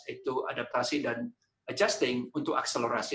itu adaptasi dan adjusting untuk akselerasi